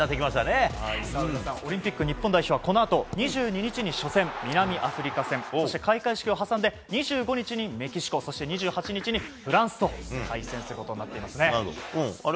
オリンピック日本代表はこのあと２２日に初戦南アフリカ戦そして開会式を挟んで２５日にメキシコ２８日にフランスとあれ？